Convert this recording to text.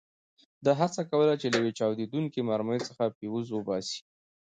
ده هڅه کوله چې له یوې چاودېدونکې مرمۍ څخه فیوز وباسي.